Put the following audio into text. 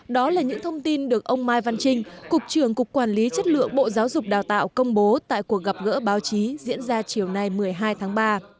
đó là những thông tin được ông mai văn trinh cục trưởng cục quản lý chất lượng bộ giáo dục đào tạo công bố tại cuộc gặp gỡ báo chí diễn ra chiều nay một mươi hai tháng ba